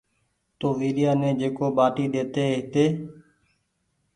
تو ويريآ ني جيڪو ٻآٽي ڏي تي هيتي